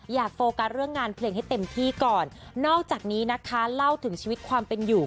โฟกัสเรื่องงานเพลงให้เต็มที่ก่อนนอกจากนี้นะคะเล่าถึงชีวิตความเป็นอยู่